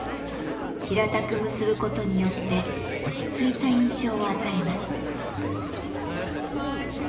平たく結ぶことによって落ち着いた印象を与えます。